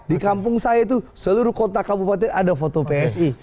di kampung saya itu seluruh kota kabupaten ada foto psi